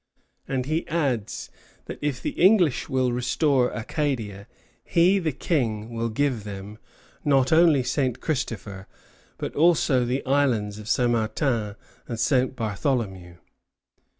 " And he adds that if the English will restore Acadia, he, the King, will give them, not only St. Christopher, but also the islands of St. Martin and St. Bartholomew.